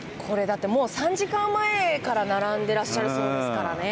３時間前から並んでらっしゃるそうですから。